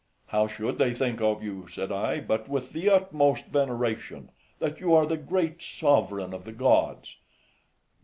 "How should they think of you," said I, "but with the utmost veneration, that you are the great sovereign of the gods."